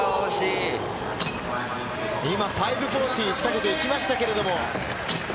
今、５４０を仕掛けていきましたけれども。